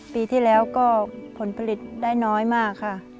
ปีที่แล้วก็ผลผลิตได้น้อยมากค่ะ